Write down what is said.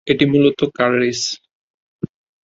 এটি মূলত car race.